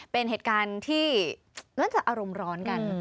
เป็นเหตุการณ์ที่น่าจะอารมณ์ร้อนกัน